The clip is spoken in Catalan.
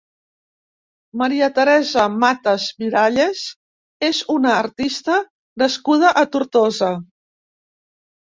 Maria Teresa Matas Miralles és una artista nascuda a Tortosa.